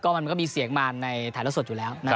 ก็มันมันก็มีเสียงมาในฐานละสดอยู่แล้ว